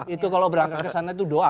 itu kalau berangkat ke sana itu doa